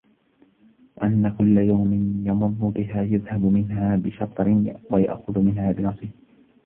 وَأَنَّ كُلَّ يَوْمٍ يَمُرُّ بِهَا يَذْهَبُ مِنْهَا بِشَطْرٍ وَيَأْخُذُ مِنْهَا بِنَصِيبٍ